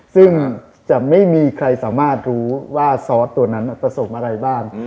ซึ่งจะไม่มีใครสามารถรู้ว่าซอสตัวนั้นผสมอะไรบ้าง